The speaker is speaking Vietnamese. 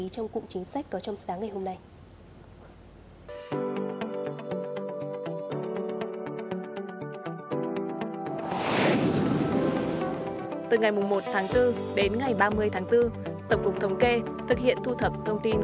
từ ngày một tháng bốn đến ngày ba mươi tháng bốn tổng cục thống kê thực hiện thu thập thông tin